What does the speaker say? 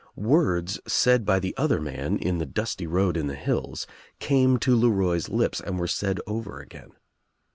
Words said by the other man in the dusty road in the hills came to LeRoy's lips and were said over again.